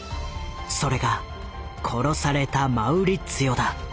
それが殺されたマウリッツィオだ。